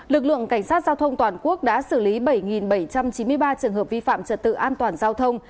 lực lượng cảnh sát giao thông toàn quốc đã xử lý bảy bảy trăm chín mươi ba trường hợp vi phạm trật tự an toàn giao thông